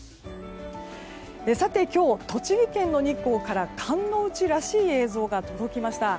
今日、栃木県の日光から寒の内らしい映像が届きました。